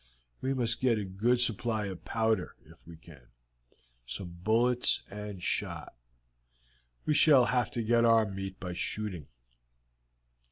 We must get a good supply of powder, if we can, some bullets and shot. We shall have to get our meat by shooting.